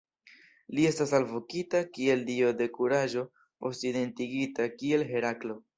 Li estis alvokita kiel dio de kuraĝo, poste identigita kiel Heraklo.